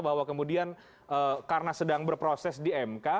bahwa kemudian karena sedang berproses di mk